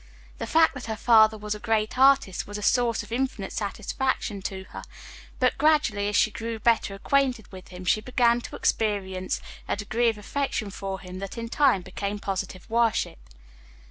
The fact that her father was a great artist was a source of infinite satisfaction to her, but gradually as she grew better acquainted with him she began to experience a degree of affection for him that in time became positive worship.